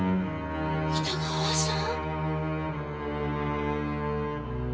北川さん！？